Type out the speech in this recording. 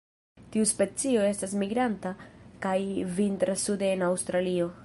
Tiu specio estas migranta, kaj vintras sude en Aŭstralio.